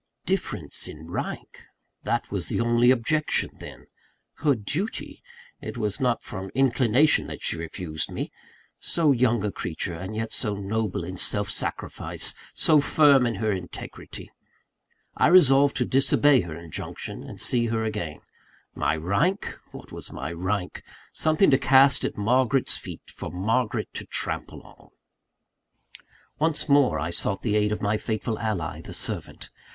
"Difference in rank," that was the only objection then! "Her duty" it was not from inclination that she refused me! So young a creature; and yet so noble in self sacrifice, so firm in her integrity! I resolved to disobey her injunction, and see her again. My rank! What was my rank? Something to cast at Margaret's feet, for Margaret to trample on! Once more I sought the aid of my faithful ally, the servant.